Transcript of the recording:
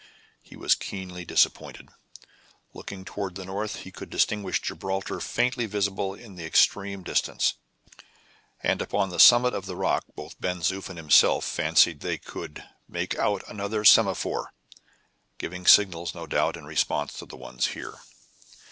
He was keenly disappointed. Looking towards the north, he could distinguish Gibraltar faintly visible in the extreme distance, and upon the summit of the rock both Ben Zoof and himself fancied they could make out another semaphore, giving signals, no doubt, in response to the one here.